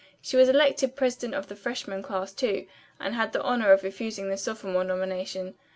She was elected president of the freshman class, too, and had the honor of refusing the sophomore nomination.